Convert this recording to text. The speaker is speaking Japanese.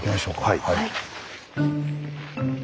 はい。